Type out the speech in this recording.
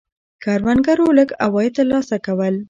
کروندګرو لږ عواید ترلاسه کول.